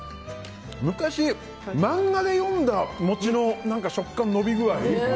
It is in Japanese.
昔、漫画で読んだ餅の食感、伸び具合。